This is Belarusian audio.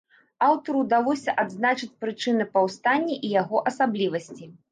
Аўтару ўдалося адзначыць прычыны паўстання і яго асаблівасці.